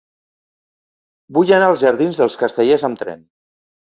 Vull anar als jardins dels Castellers amb tren.